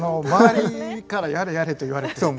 周りから「やれやれ」と言われて。